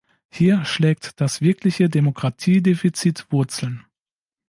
Hier schlägt das wirkliche Demokratiedefizit Wurzeln.